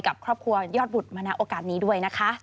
กับครอบครัวยอดบุตรมาณโอกาสนี้ด้วยนะคะ